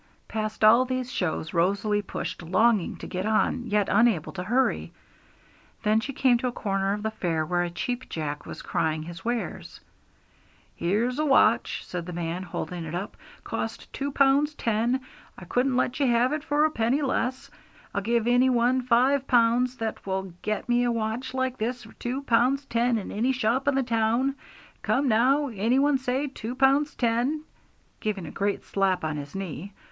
Past all these shows Rosalie pushed, longing to get on yet unable to hurry. Then she came to a corner of the fair where a Cheap Jack was crying his wares. 'Here's a watch,' said the man, holding it up, 'cost two pounds ten! I couldn't let you have it for a penny less! I'll give any one five pounds that will get me a watch like this for two pounds ten in any shop in the town. Come now, any one say two pounds ten?' giving a great slap on his knee.